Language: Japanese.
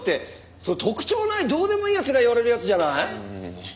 それ特徴ないどうでもいい奴が言われるやつじゃない？